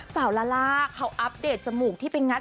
ลาล่าเขาอัปเดตจมูกที่ไปงัด